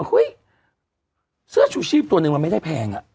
เฮ้ยเสื้อชูชีพตัวหนึ่งมันไม่ได้แพง